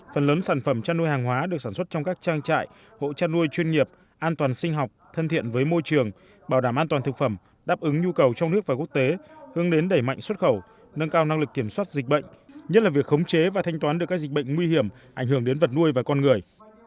phần lớn sản phẩm chăn nuôi hàng hóa được sản xuất trong các trang trại hộ chăn nuôi chuyên nghiệp an toàn sinh học thân thiện với môi trường bảo đảm an toàn thực phẩm đáp ứng nhu cầu trong nước và quốc tế hướng đến đẩy mạnh xuất khẩu nâng cao năng lực kiểm soát dịch bệnh nhất là việc khống chế và thanh toán được các dịch bệnh nguy hiểm ảnh hưởng đến vật nuôi và con người